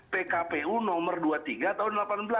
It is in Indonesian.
pkpu nomor dua puluh tiga tahun delapan belas